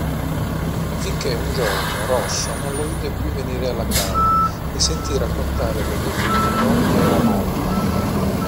Finché, un giorno, Rosso non lo vide più venire alla cava e sentì raccontare dagli altri minatori che era morto.